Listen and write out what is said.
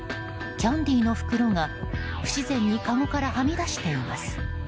キャンディーの袋が、不自然にかごからはみ出しています。